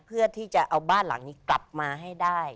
เพื่อที่จะเอาบ้านหลังนี้กลับมาให้ได้